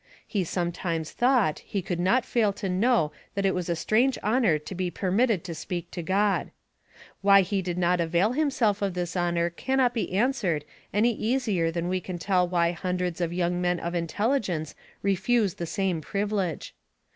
He sometimes thought he could not fail to know that it was a strange honor to be permitted to speak to God. Why he did not avail himself of this honor can not be answered any easier than we can tell why hun dreds of young men of intelligence refuse the same privilege.